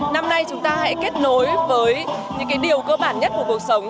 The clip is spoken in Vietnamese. năm nay chúng ta hãy kết nối với những điều cơ bản nhất của cuộc sống